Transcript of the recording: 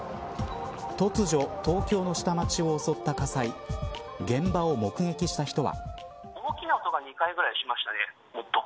突如、東京の下町を襲った火災現場を目撃した人は。